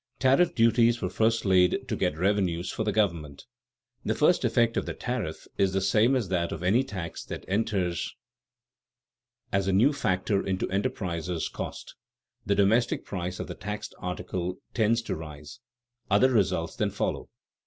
_ Tariff duties were first laid to get revenues for the government. The first effect of the tariff is the same as that of any tax that enters as a new factor into enterpriser's cost the domestic price of the taxed article tends to rise. Other results then follow.